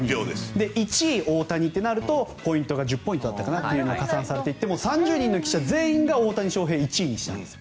１位、大谷ってなるとポイントが１０ポイントだったか加算されて３０人の記者全員が大谷翔平を１位にしたんです。